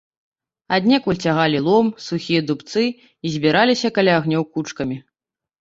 Аднекуль цягалі лом, сухія дубцы і збіраліся каля агнёў кучкамі.